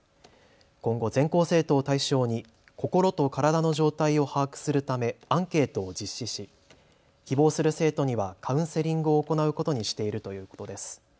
今後、全校生徒を対象に心と体の状態を把握するためアンケートを実施し希望する生徒にはカウンセリングを行うことにしているということです。